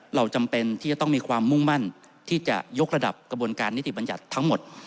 เราจำเป็นที่จะต้องมีความมุ่งมั่นที่จะยกระดับกระบวนการนิติบัญญัติทั้งหมด